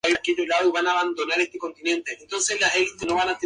Principal protagonista de la serie.